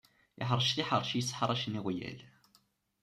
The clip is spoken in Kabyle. Iḥṛec tiḥeṛci yisseḥṛacen iɣwyal.